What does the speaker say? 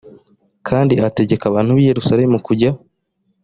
kandi ategeka abantu b i yerusalemu kujya